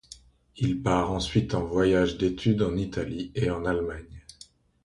Il part ensuite en voyage d'études en Italie et en Allemagne.